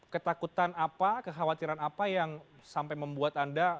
ketakutan apa kekhawatiran apa yang sampai membuat anda